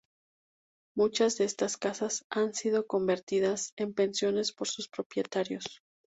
Muchas de estas casas han sido convertidas en pensiones por sus propietarios.